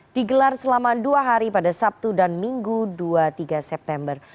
digelar selama dua hari pada sabtu dan minggu dua puluh tiga september